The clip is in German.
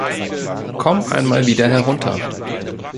Komm einmal wieder herunter.